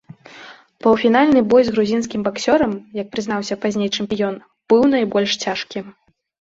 Паўфінальны бой з грузінскім баксёрам, як прызнаўся пазней чэмпіён, быў найбольш цяжкі.